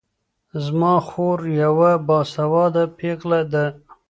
زما خور يوه باسواده پېغله ده